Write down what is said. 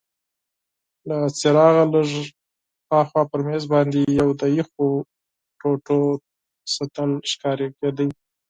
له څراغه لږ هاخوا پر مېز باندي یو د یخو ټوټو سطل ښکارید.